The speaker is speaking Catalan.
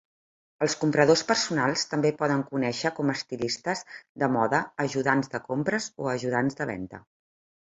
Els compradors personals també poden conèixer com estilistes de moda, ajudants de compres o ajudants de venda.